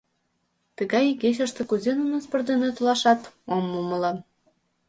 Тыгай игечыште кузе нуно спорт дене толашат, ом умыло.